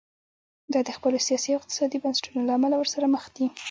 دا د خپلو سیاسي او اقتصادي بنسټونو له امله ورسره مخ دي.